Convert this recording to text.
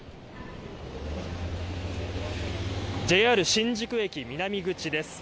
ＪＲ新宿駅南口です。